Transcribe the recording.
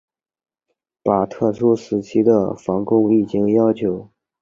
把特殊时期的防控疫情要求